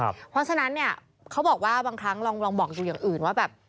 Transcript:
เพราะฉะนั้นเนี่ยเขาบอกว่าบางครั้งลองบอกดูอย่างอื่นว่าแบบ